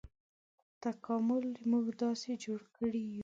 تکامل موږ داسې جوړ کړي یوو.